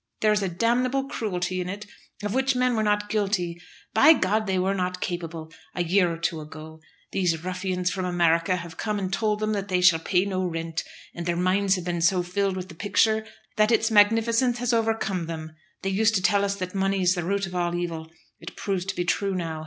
There is a damnable cruelty in it of which men were not guilty, by G ! they were not capable, a year or two ago. These ruffians from America have come and told them that they shall pay no rent, and their minds have been so filled with the picture that its magnificence has overcome them. They used to tell us that money is the root of all evil; it proves to be true now.